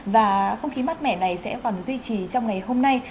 và không khí mát mẻ này sẽ còn duy trì trong ngày hôm nay